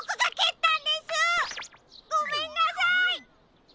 ごめんなさい！